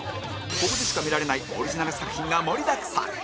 ここでしか見られないオリジナル作品が盛りだくさん